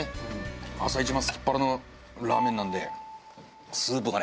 朝イチのすきっ腹のラーメンなんでスープがね